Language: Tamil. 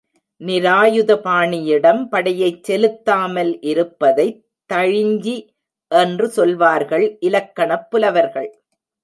நிராயுதபாணியிடம் படையைச் செலுத்தாமல் இருப்பதைத் தழிஞ்சி என்று சொல்வார்கள் இலக்கணப் புலவர்கள்.